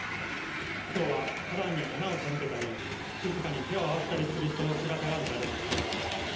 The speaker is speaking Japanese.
きょうは、花壇に花を手向けたり静かに手を合わせたりする人の姿が見られました。